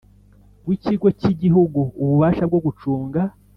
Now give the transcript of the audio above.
W ikigo cy igihugu ububasha bwo gucunga